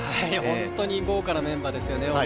本当に豪華なメンバーですよね。